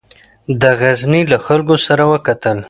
د غزني له خلکو سره وکتل.